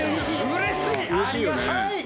うれしい？ありがたい。